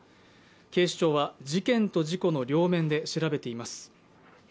警視庁は、事件と事故の両面で調べています。